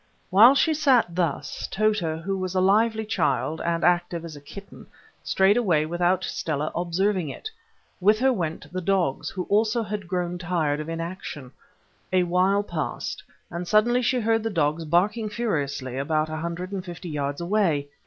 While she sat thus, Tota, who was a lively child and active as a kitten, strayed away without Stella observing it. With her went the dogs, who also had grown tired of inaction; a while passed, and suddenly she heard the dogs barking furiously about a hundred and fifty yards away.